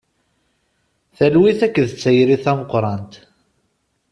Talwit akked tayri tameqrant.